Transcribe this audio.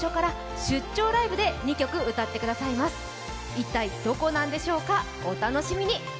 一体どこなんでしょうか、お楽しみに。